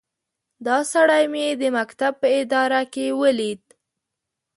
دا سړی مې د مکتب په اداره کې وليد.